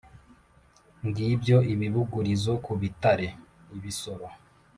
ngibyo ibibugurizo ku bitare (ibisoro),